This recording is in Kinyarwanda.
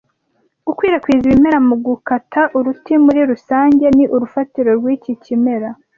Gukwirakwiza ibimera mugukata uruti muri rusange ni urufatiro rwiki kimera